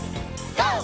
ＧＯ！